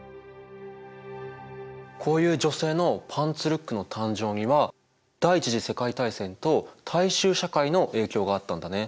こういう女性のパンツルックの誕生には第一次世界大戦と大衆社会の影響があったんだね。